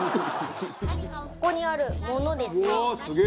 ここにあるものですね。